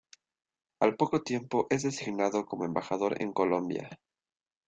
Al poco tiempo es designado como embajador en Colombia.